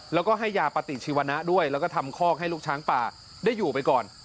แล้วก็ให้ยาปฏิชีวนะด้วยแล้วก็ทำคอกให้ลูกช้างป่าได้อยู่ไปก่อน